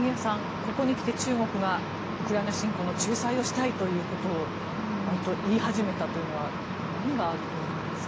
ここに来て、中国がウクライナ侵攻の仲裁をしたいということを言い始めたというのは何があると思いますか。